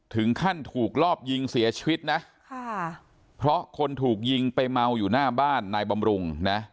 ถึงขั้นถูกรอบยิงเสียชีวิตนะค่ะเพราะคนถูกยิงไปเมาอยู่หน้าบ้านนายบำรุงนะ